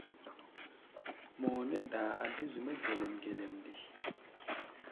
Mɔʼɔ nɛ́ daa a dé zu-mɛ́ gelɛm-gelɛm nde?